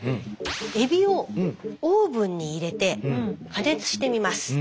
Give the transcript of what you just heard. エビをオーブンに入れて加熱してみます。